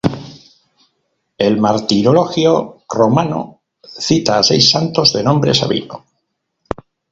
El Martirologio Romano cita a seis santos de nombre "Sabino".